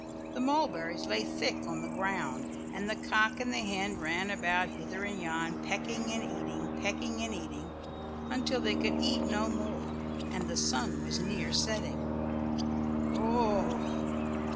The mulberries lay thick on the ground, and the cock and the hen ran about hither and yon, pecking and eating—pecking and eating, until they could eat no more, and the sun was near setting. "Oh!